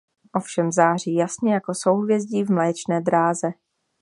Ovšem září jasně jako souhvězdí v Mléčné dráze.